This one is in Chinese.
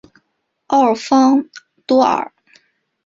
奥方多尔。